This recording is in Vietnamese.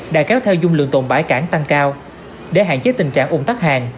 đã kéo theo dung lượng tổn bãi cảng tăng cao để hạn chế tình trạng ủng tắt hàng